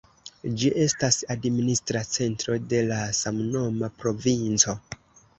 Ĝi estas administra centro de la samnoma provinco.